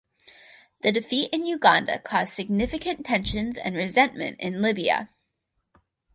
The defeat in Uganda caused significant tensions and resentment in Libya.